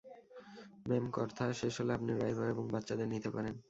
Ma'am, কথা শেষ হলে, আপনি ড্রাইভার এবং বাচ্চাদের নিতে পারেন।